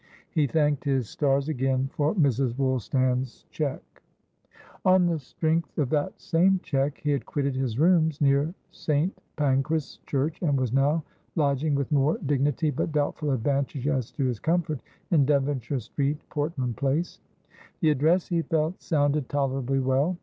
He thanked his stars again for Mrs. Woolstan's cheque. On the strength of that same cheque, he had quitted his rooms near St. Pancras Church, and was now lodging, with more dignity, but doubtful advantage as to comfort, in Devonshire Street, Portland Place. The address, he felt, sounded tolerably well.